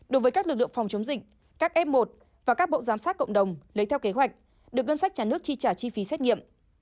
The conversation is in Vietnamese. đối với các lực lượng phòng chống dịch các f một và các bộ giám sát cộng đồng lấy theo kế hoạch được ngân sách nhà nước chi trả chi phí xét nghiệm